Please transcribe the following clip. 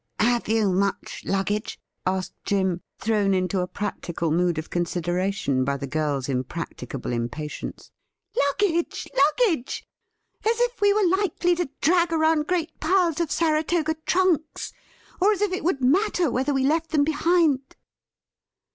' Have you much luggage t" asked Jim, thrown into a practical mood of consideration by the girl's impracticable impatience. ' Luggage ! luggage ! As if we were likely to drag around great piles of Saratoga trunks ; or as if it would matter whether we left them behind